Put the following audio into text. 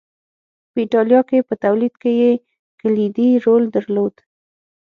په اېټالیا کې په تولید کې یې کلیدي رول درلود